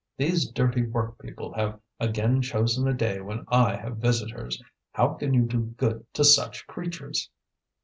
"These dirty workpeople have again chosen a day when I have visitors. How can you do good to such creatures?"